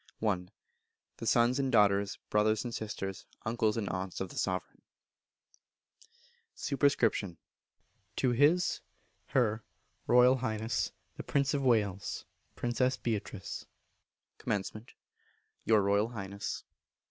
i. The Sons and Daughters, Brothers and Sisters, Uncles and Aunts of the Sovereign. Sup. To His (Her) Royal Highness the Prince of Wales (Princess Beatrice). Comm. Your Royal Highness.